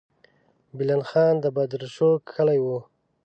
بلند خان د بدرشو کښلې وه.